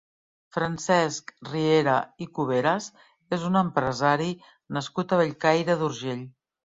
Francesc Riera i Cuberes és un empresari nascut a Bellcaire d'Urgell.